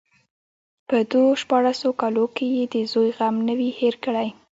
په دو شپاړسو کالو کې يې د زوى غم نه وي هېر کړى.